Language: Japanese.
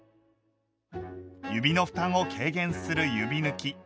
指の負担を軽減する指ぬき。